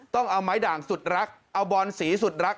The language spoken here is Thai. ต้องเอาไม้ด่างสุดรักเอาบอนสีสุดรัก